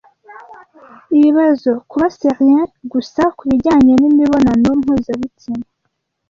Ibibazo. Kuba serieux gusa kubijyanye n'imibonano mpuzabitsina